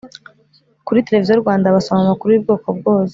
Kuri televisiyo rwanda basoma amakuru yubwoko bwose